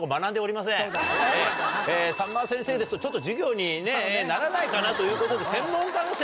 さんま先生ですとちょっと授業にならないかなということで。